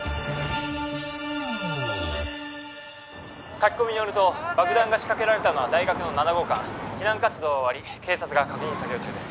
書き込みによると爆弾が仕掛けられたのは大学の７号館避難活動は終わり警察が確認作業中です